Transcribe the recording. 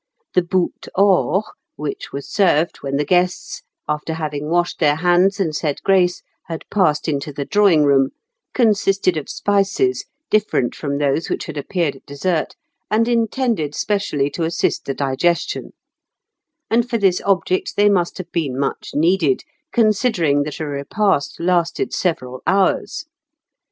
The boute hors, which was served when the guests, after having washed their hands and said grace, had passed into the drawing room, consisted of spices, different from those which had appeared at dessert, and intended specially to assist the digestion; and for this object they must have been much needed, considering that a repast lasted several hours.